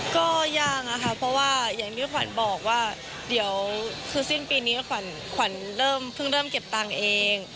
ก็ยากอะค่ะเพราะว่าอย่างที่ขวัญบอกว่าเดี๋ยวคือสิ้นปีนี้ขวัญเริ่มเพิ่งเริ่มเก็บตังค์เอง